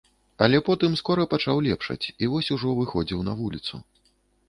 Але потым скора пачаў лепшаць, вось ужо выходзіў на вуліцу.